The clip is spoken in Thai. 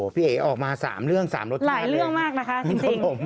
พี่เอ๋ออกมา๓เรื่อง๓รถถ้าเลยหลายเรื่องมากนะคะจริง